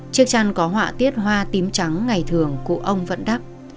chiếc chăn có họa tiết hoa tím trắng ngày thường cụ ông vẫn đắp